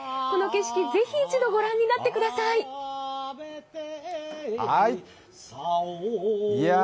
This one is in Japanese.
この景色、ぜひ一度御覧になってください。